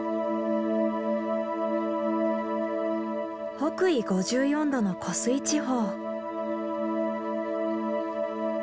北緯５４度の湖水地方。